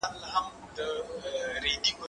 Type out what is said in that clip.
زه هره ورځ درسونه اورم!؟